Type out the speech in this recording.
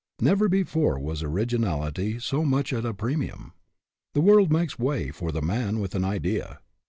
Never before was originality so much at a premium. The world makes way for the man with an idea.